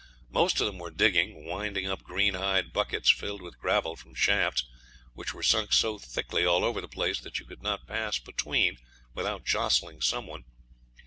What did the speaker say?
Most of 'em were digging, winding up greenhide buckets filled with gravel from shafts, which were sunk so thickly all over the place that you could not pass between without jostling some one.